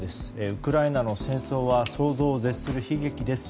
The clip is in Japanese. ウクライナの戦争は想像を絶する悲劇です。